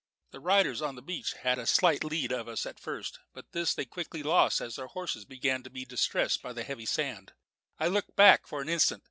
The riders on the beach had a slight lead of us at first; but this they quickly lost as their horses began to be distressed in the heavy sand. I looked back for an instant.